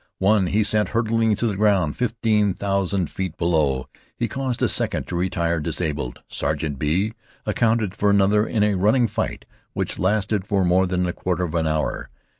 One he sent hurtling to the ground fifteen thousand feet below. He caused a second to retire disabled. Sergeant B accounted for another in a running fight which lasted for more than a quarter of an hour.